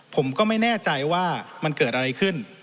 ผมก็ไม่แน่ใจว่ามันเกิดอะไรขึ้น